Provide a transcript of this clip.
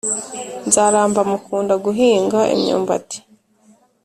nzaramba akunda guhinga imyumbati